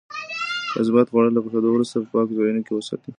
تاسو باید خواړه له پخېدو وروسته په پاکو ځایونو کې وساتئ.